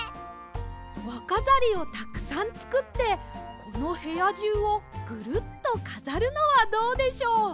わかざりをたくさんつくってこのへやじゅうをグルッとかざるのはどうでしょう？